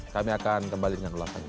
kami akan kembali dengan ulasannya